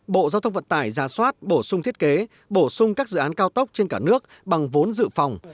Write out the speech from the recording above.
bộ giao thông vận tải ra soát bổ sung thiết kế bổ sung các dự án cao tốc trên cả nước bằng vốn dự phòng